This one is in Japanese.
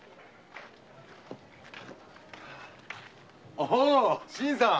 おお新さん。